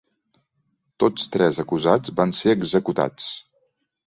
Tots tres acusats van ser executats.